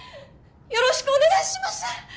よろしくお願いします！